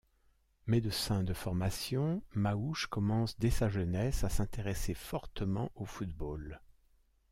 Médecin de formation, Maouche commence, dès sa jeunesse, à s'intéresser fortement au football.